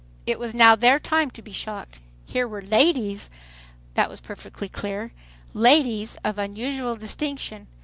It was now their time to be shocked. Here were "ladies"—that was perfectly clear—"ladies" of unusual distinction.